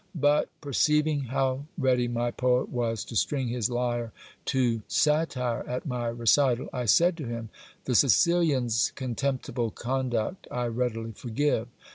But, perceiving how ready my poet was to string his lyre to satire at my recital, I said to him — The Sicilian's contemptible conduct I readily forgive.